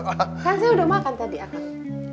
kan saya udah makan tadi aku